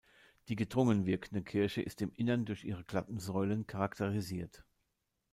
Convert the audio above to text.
Die gedrungen wirkende Kirche ist im Inneren durch ihre glatten Säulen charakterisiert.